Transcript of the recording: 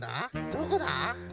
どこだ？